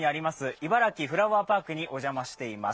いばらきフラワーパークにお邪魔しています。